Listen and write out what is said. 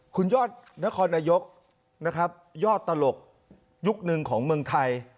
คุณยอดนครนายกนะครับยอดตลกยุคหนึ่งของเมืองไทย